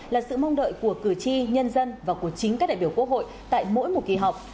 là sự mong đợi của cử tri nhân dân và của chính các đại biểu quốc hội tại mỗi một kỳ họp